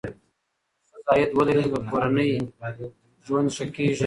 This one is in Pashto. که ښځه عاید ولري، نو د کورنۍ ژوند ښه کېږي.